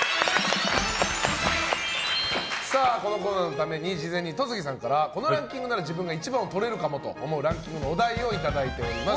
このコーナーのために事前に戸次さんからこのランキングなら自分が一番をとれるかもと思うランキングのお題をいただいております。